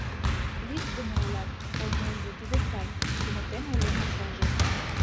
— Лӱддымӧ улат, полмезе — тиде сай, — туныктен ойлен ачаже.